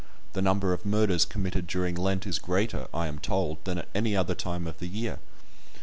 The number of murders committed during Lent is greater, I am told, than at any other time of the year.